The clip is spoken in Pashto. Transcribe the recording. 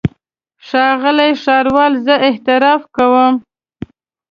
ښاغلی ښاروال زه اعتراف کوم.